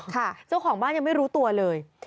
เจ้าของบ้านยังไม่รู้ตัวเลย